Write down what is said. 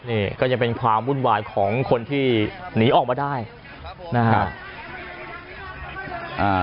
นี่ก็ยังเป็นความวุ่นวายของคนที่หนีออกมาได้นะฮะ